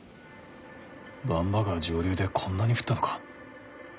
番場川上流でこんなに降ったのか？